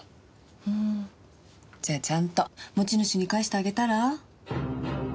じゃあちゃんと持ち主に返してあげたら？